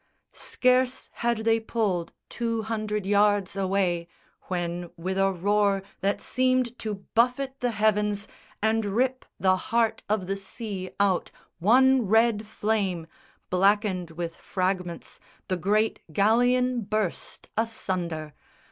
Scarce had they pulled two hundred yards away When, with a roar that seemed to buffet the heavens And rip the heart of the sea out, one red flame Blackened with fragments, the great galleon burst Asunder!